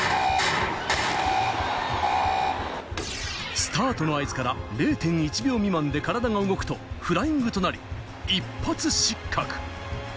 スタートの合図から０．１秒未満で体が動くとフライングとなり、一発失格。